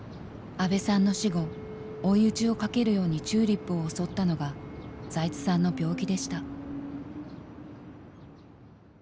安部さんの死後追い打ちをかけるようにＴＵＬＩＰを襲ったのが財津さんの病気でした。